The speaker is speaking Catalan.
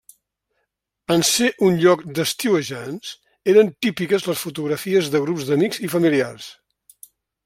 En ser un lloc d'estiuejants eren típiques les fotografies de grups d'amics i familiars.